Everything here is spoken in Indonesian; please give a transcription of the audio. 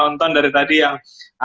nonton dari tadi yang